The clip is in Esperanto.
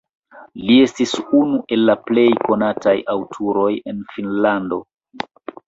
Li estis unu el la plej konataj aŭtoroj en Finnlando.